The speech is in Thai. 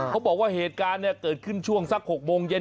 เขาบอกว่าเหตุการณ์เกิดขึ้นช่วงสัก๖โมงเย็น